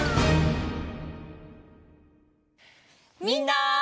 みんな！